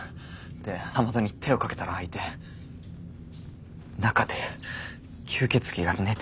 で雨戸に手をかけたら開いて中で吸血鬼が寝てた。